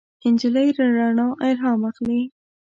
نجلۍ له رڼا الهام اخلي.